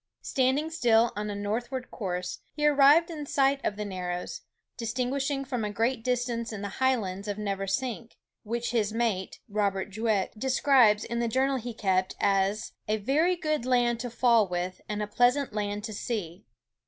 Standing still on a northward course, he arrived in sight of the Narrows, distinguishing from a great distance the Highlands of Never Sink, which his mate, Robert Juet, describes in the journal he kept as a "very good land to fall with, and a pleasant land to see."